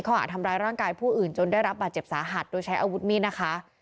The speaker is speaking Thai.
หาทำร้ายร่างกายผู้อื่นจนได้รับบาดเจ็บสาหัสโดยใช้อาวุธมีดนะคะ